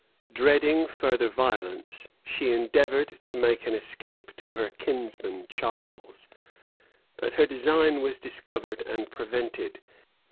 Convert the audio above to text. Dreading further violence, she endeavored to make an escape to her kinsman Charles; but her design was discovered and prevented.